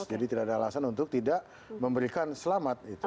jadi tidak ada alasan untuk tidak memberikan selamat